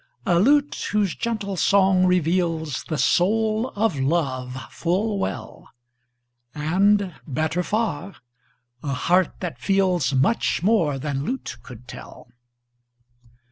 A lute whose gentle song reveals The soul of love full well; And, better far, a heart that feels Much more than lute could tell.